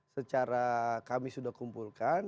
secara kami sudah kumpulkan